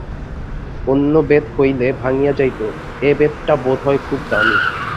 অন্য বেত হইলে ভাঙিয়া যাইত, এ বেতটা বোধ হয় খুব দামি।